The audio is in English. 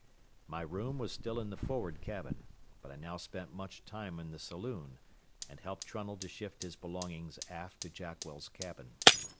My room was still in the forward cabin, but I now spent much time in the saloon, and helped Trunnell to shift his belongings aft to Jackwell's cabin.